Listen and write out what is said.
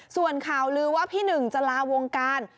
ส่วนข่าวลือว่าพี่หนึ่งจะลาวงการ